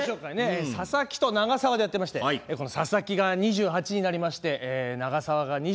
佐々木と永沢でやってましてこの佐々木が２８になりまして永沢が２７になりまして。